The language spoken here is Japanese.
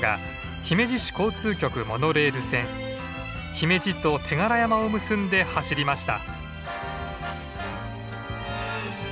姫路と手柄山を結んで走りました。